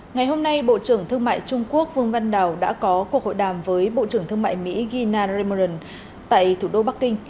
ngày hôm nay bộ trưởng thương mại trung quốc vương văn đào đã có cuộc hội đàm với bộ trưởng thương mại mỹ gina raymondo tại thủ đô bắc kinh